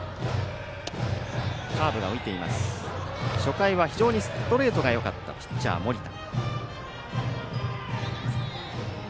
初回は非常にストレートがよかったピッチャー、盛田。